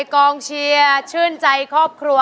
ร้องได้ครับ